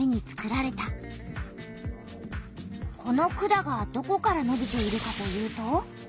この管がどこからのびているかというと。